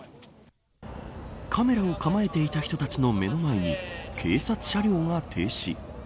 カメラを構えていた人たちの目の前に警察車両が停止。